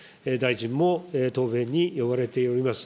大臣も答弁に追われております。